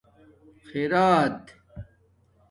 خِرات